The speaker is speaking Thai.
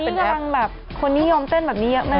ชีพพี่ยอมเต้นแบบนี้